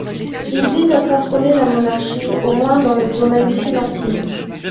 Il vise à contrôler la monarchie, au moins dans le domaine financier.